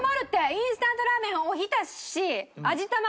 インスタントラーメンお浸し味玉！